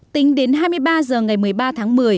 tính đến hai mươi ba h ngày một mươi ba tháng một mươi